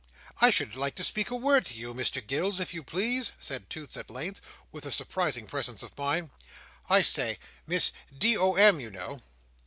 I should like to speak a word to you, Mr Gills, if you please," said Toots at length, with surprising presence of mind. "I say! Miss D.O.M. you know!"